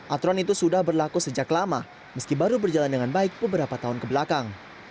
aturan itu sudah berlaku sejak lama meski baru berjalan dengan baik beberapa tahun kebelakang